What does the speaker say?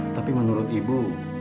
tapi menurut ibu